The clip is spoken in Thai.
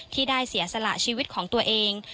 ที่ได้เสียสละชีวิตของตัวเอง